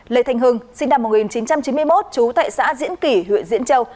lê thanh hưng sinh năm một nghìn chín trăm chín mươi một trú tại xã diễn kỷ huyện diễn châu